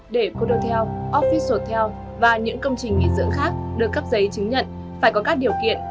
để condotel offistaltel và những công trình nghỉ dưỡng khác được cấp giấy chứng nhận phải có các điều kiện